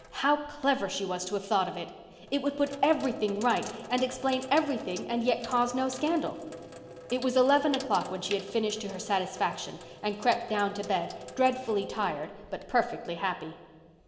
How clever she was to have thought of it! It would put everything right and explain everything and yet cause no scandal. It was eleven o'clock when she had finished to her satisfaction and crept down to bed, dreadfully tired, but perfectly happy.